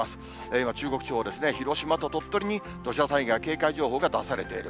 今、中国地方ですね、広島と鳥取に土砂災害警戒情報が出されている。